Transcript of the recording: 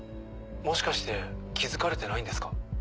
もしかして気付かれてないんですか？